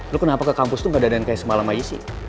lo kenapa ke kampus tuh gak dadahin kayak semalam aja sih